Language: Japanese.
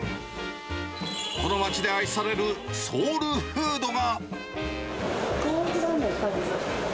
この町で愛されるソウルフードが。